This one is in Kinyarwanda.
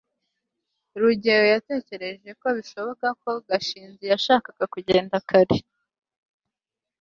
rugeyo yatekereje ko bishoboka ko gashinzi yashakaga kugenda kare